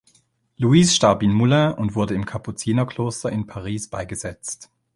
Louise starb in Moulins und wurde im Kapuzinerkloster in Paris beigesetzt.